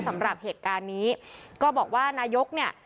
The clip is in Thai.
สำหรับเหตุการณ์นี้ก็บอกว่านายกเนี่ย